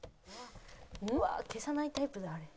うわあ消さないタイプだあれ。